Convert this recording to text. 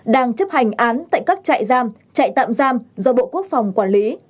đang chấp hành án tại các chạy giam chạy tạm giam do bộ quốc phòng quản lý